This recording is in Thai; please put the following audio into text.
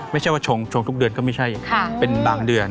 ไม่ใช่ว่าชงทุกเดือนก็ไม่ใช่เป็นบางเดือน